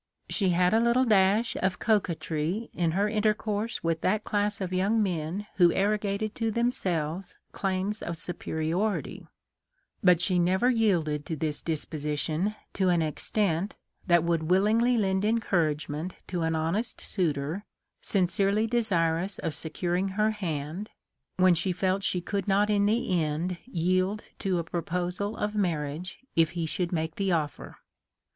She had a little dash of coquetry in her intercourse with that class of young men who arrogated to them selves claims of superiority, but she never yielded to this disposition to an extent that would willingly lend encouragement to an honest suitor sincerely desirous of securing her hand, when she felt she could not in the end yield to a proposal of marriage if he should make the offer.